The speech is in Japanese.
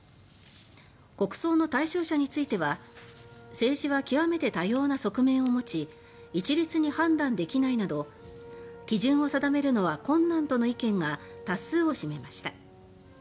国葬の対象者については「政治は極めて多様な側面を持ち一律に判断できない」など基準を定めるのは困難との意見が多数を占めました。